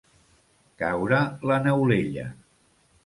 Caure la neulella.